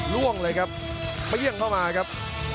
ล่วงเลยครับเปรี้ยงเข้ามาครับ